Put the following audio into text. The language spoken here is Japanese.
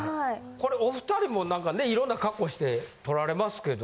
これお２人も何かねいろんな格好して撮られますけど。